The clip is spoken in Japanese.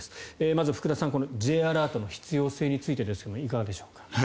まず、福田さんＪアラートの必要性についてですがいかがでしょうか。